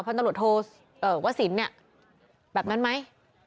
พนตรวจโทรว่าศิลป์เนี่ยแบบนั้นไหม